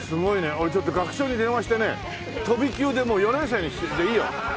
俺ちょっと学長に電話してね飛び級でもう４年生でいいよ。